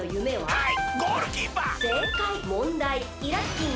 はい！